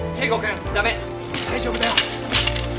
大丈夫だよ。